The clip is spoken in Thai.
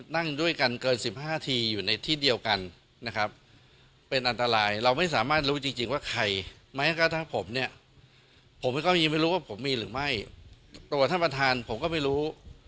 นั่งด้วยกันเกิน๑๕นาทีอยู่ในที่เดียวกันนะครับเป็นอันตรายเราไม่สามารถรู้จริงว่าใครแม้กระทั่งผมเนี่ยผมก็ยังไม่รู้ว่าผมมีหรือไม่ตัวท่านประธานผมก็ไม่รู้